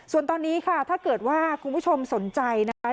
ส่วนตอนนี้ค่ะถ้าเกิดว่าคุณผู้ชมสนใจนะคะ